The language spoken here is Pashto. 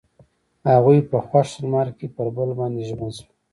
هغوی په خوښ لمر کې پر بل باندې ژمن شول.